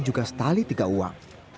juga setali tiga uang